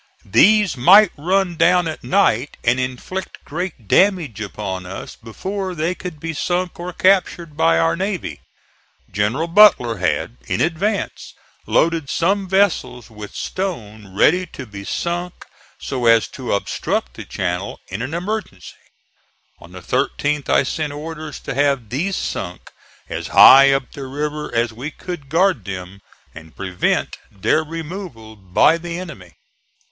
These might run down at night and inflict great damage upon us before they could be sunk or captured by our navy. General Butler had, in advance, loaded some vessels with stone ready to be sunk so as to obstruct the channel in an emergency. On the 13th I sent orders to have these sunk as high up the river as we could guard them, and prevent their removal by the enemy.